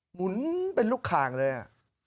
หมุนเป็นลูกคางเลยอ่ะ